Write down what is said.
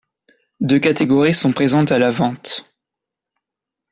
Deux catégories sont présentes à la vente.